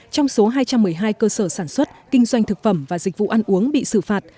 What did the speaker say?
trong số hai trăm một mươi hai cơ sở sản xuất kinh doanh thực phẩm và dịch vụ ăn uống bị xử phạt